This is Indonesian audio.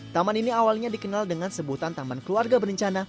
taman ini awalnya dikenal dengan sebutan taman keluarga berencana